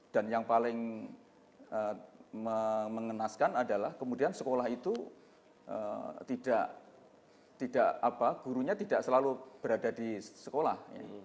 dan yang paling mengenaskan adalah kemudian sekolah itu tidak gurunya tidak selalu berada di sekolah